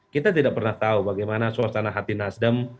kita tidak pernah tahu bagaimana suasana hati nasdem